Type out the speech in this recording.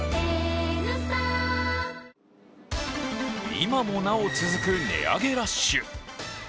今もなお続く値上げラッシュ。